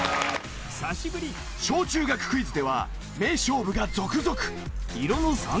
小中学クイズでは名勝負が続々！